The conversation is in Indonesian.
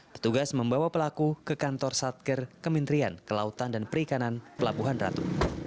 petugas membawa pelaku ke kantor satker kementerian kelautan dan perikanan pelabuhan ratu